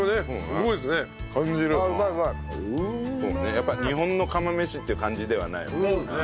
やっぱり日本の釜飯っていう感じではない。